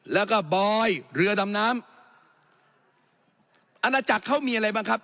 แล้วก็บอยเรือดำน้ำอาณาจักรเขามีอะไรบ้างครับ